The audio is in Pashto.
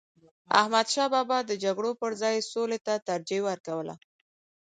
احمدشاه بابا د جګړو پر ځای سولي ته ترجیح ورکوله.